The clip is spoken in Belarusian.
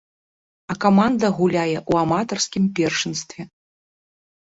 А каманда гуляе ў аматарскім першынстве.